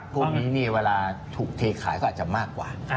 พวกนี้เวลาถูกเทขายก็อาจจะมากกว่า